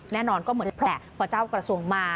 แน่นอนก็เหมือนกันแหละพอเจ้ากระทรวงมา